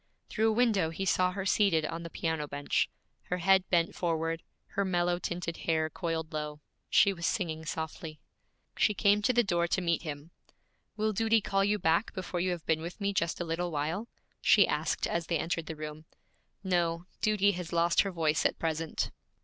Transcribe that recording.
Through a window he saw her seated on the piano bench, her head bent forward, her mellow tinted hair coiled low. She was singing softly. She came to the door to meet him. 'Will duty call you back before you have been with me just a little while?' she asked as they entered the room. 'No, duty has lost her voice at present.'